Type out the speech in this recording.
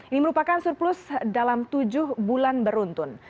ini merupakan surplus dalam tujuh bulan beruntun